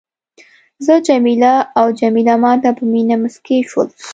زه جميله او جميله ما ته په مینه مسکي شول.